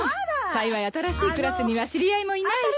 幸い新しいクラスには知り合いもいないし。